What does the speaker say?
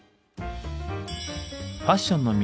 ファッションの都